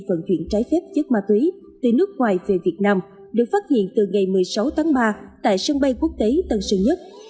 vận chuyển trái phép chất ma túy từ nước ngoài về việt nam được phát hiện từ ngày một mươi sáu tháng ba tại sân bay quốc tế tân sơn nhất